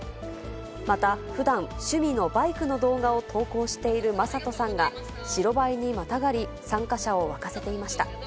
また、ふだん、趣味のバイクの動画を投稿している魔裟斗さんが、白バイにまたがり、参加者を沸かせていました。